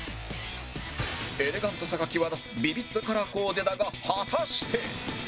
エレガントさが際立つビビッドカラーコーデだが果たして